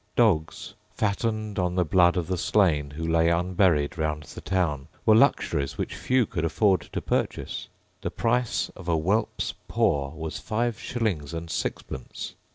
Dogs, fattened on the blood of the slain who lay unburied round the town, were luxuries which few could afford to purchase. The price of a whelp's paw was five shillings and sixpence.